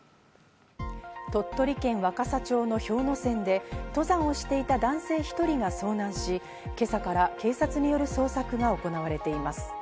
鳥取県若桜町の氷ノ山で登山をしていた男性１人が遭難し、今朝から警察による捜索が行われています。